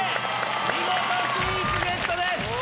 見事スイーツゲットです！